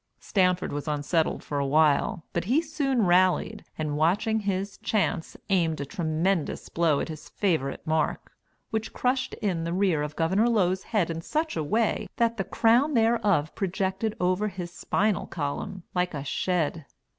Stanford was unsettled for a while, but he soon rallied, and watching his chance, aimed a tremendous blow at his favorite mark, which crushed in the rear of Gov. Low's head in such a way that the crown thereof projected over his spinal column like a shed.